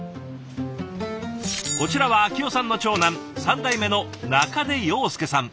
こちらは明代さんの長男３代目の中出庸介さん